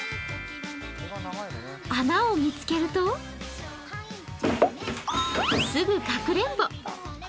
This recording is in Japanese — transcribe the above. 穴を見つけるとすぐかくれんぼ。